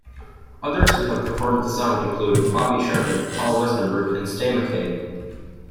Others who have performed the song include: Bobby Sherman, Paul Westerberg, and Ste McCabe.